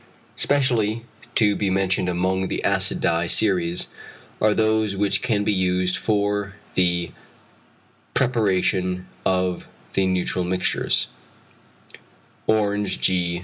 Specially to be mentioned among the acid dye series are those which can be used for the preparation of the neutral mixtures: orange g.